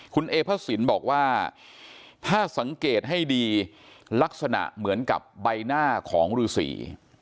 คุณเอพระสินบอกว่าถ้าสังเกตให้ดีลักษณะเหมือนกับใบหน้าของฤษี